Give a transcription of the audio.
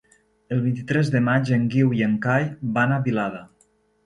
El vint-i-tres de maig en Guiu i en Cai van a Vilada.